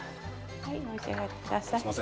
はいお召し上がりください